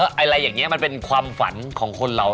อะไรอย่างนี้มันเป็นความฝันของคนเรา